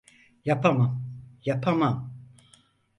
Yapamam, yapamam…